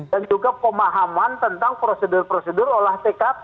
juga pemahaman tentang prosedur prosedur olah tkp